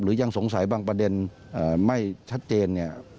ยังสงสัยบางประเด็นไม่ชัดเจนเนี่ย